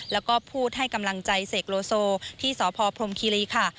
แล้วก็พูดให้กำลังใจเสกโลโซที่สพพรมคีรีค่ะ